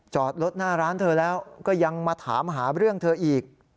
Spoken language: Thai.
จอดรถหน้าร้านเธอแล้วก็ยังมาถามหาเรื่องเธออีก